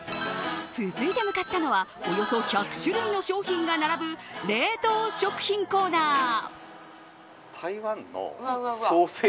続いて向かったのはおよそ１００種類の商品が並ぶ冷凍食品コーナー。